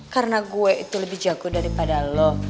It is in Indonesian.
karena gue itu lebih jago daripada lo